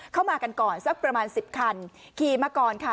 มากันก่อนสักประมาณ๑๐คันขี่มาก่อนค่ะ